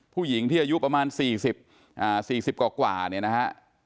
ผู้หญิงที่อายุประมาณสี่สิบสี่สิบกว่ากว่าเนี่ยนะฮะ